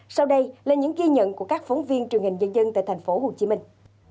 sau đây là những ghi nhận của các phóng viên truyền hình dân dân tại thành phố hồ chí minh